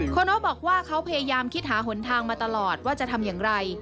โน้บอกว่าเขาพยายามคิดหาหนทางมาตลอดว่าจะทำอย่างไร